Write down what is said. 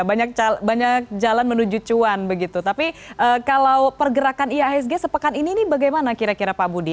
oke ya banyak jalan menuju cuan begitu tapi kalau pergerakan iasg sepekan ini nih bagaimana kira kira pak budi